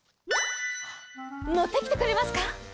もってきてくれますか？